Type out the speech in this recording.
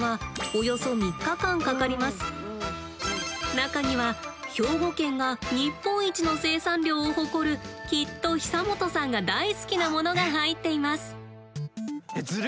中には兵庫県が日本一の生産量を誇るきっと久本さんが大好きな物が入っています。